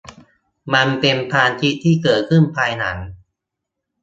มันเป็นความคิดที่เกิดขึ้นภายหลัง